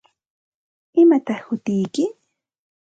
¿Imataq hutiyki?